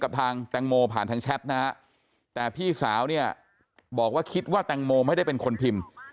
ทางแตงโมผ่านทางแชทนะฮะแต่พี่สาวเนี่ยบอกว่าคิดว่าแตงโมไม่ได้เป็นคนพิมพ์